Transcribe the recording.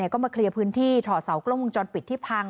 ก็มาเคลียร์พื้นที่ถอดเสากล้องวงจรปิดที่พัง